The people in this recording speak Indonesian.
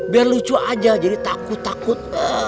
biar lucu aja jadi takut takut